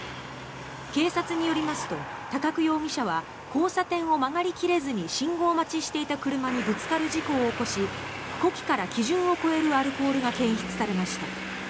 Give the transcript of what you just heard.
警察によりますと高久容疑者は交差点を曲がり切れずに信号待ちしていた車にぶつかる事故を起こし呼気から基準を超えるアルコールが検出されました。